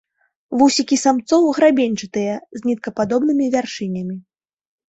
Вусікі самцоў грабеньчатыя, з ніткападобнымі вяршынямі.